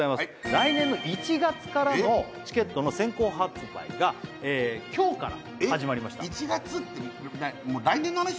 来年の１月からのチケットの先行発売が今日から始まりました１月ってもう来年の話？